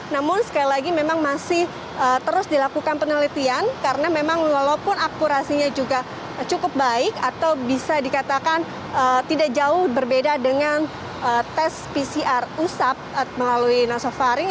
namun sekali lagi memang masih terus dilakukan penelitian karena memang walaupun akurasinya juga cukup baik atau bisa dikatakan tidak jauh berbeda dengan tes pcr usap melalui nasofaring